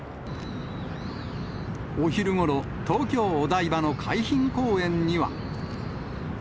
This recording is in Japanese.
お昼ごろ、東京・お台場の海浜公園には。